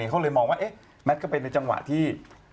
เขาเลยมองว่าแมทก็เป็นในจังหวะที่